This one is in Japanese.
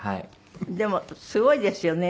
でもすごいですよね